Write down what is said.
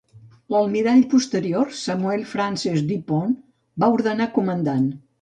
L'almirall posterior Samuel Francis Du Pont va ordenar comandant.